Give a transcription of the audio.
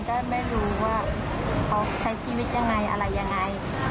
ก็ไม่รู้ว่าเขาใช้ชีวิตยังไงอะไรยังไง